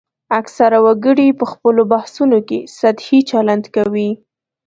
اکثره وګړي په خپلو بحثونو کې سطحي چلند کوي